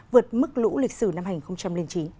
vượt mức lũ lịch sử năm hai nghìn chín